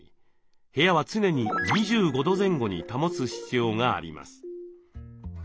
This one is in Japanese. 部屋は常に２５度前後に保つ必要があります。